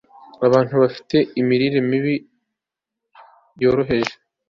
abantu bafite imirire mibi yoroheje